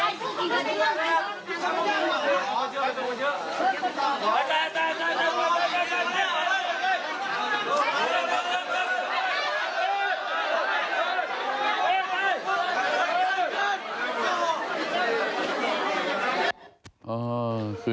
แม่นอนทุกที่ทำแม่นอนไป